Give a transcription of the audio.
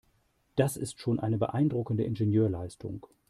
Das ist schon eine beeindruckende Ingenieursleistung.